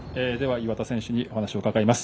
岩田選手にお話を伺います。